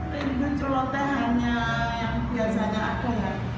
rindu celote hanya yang biasanya aku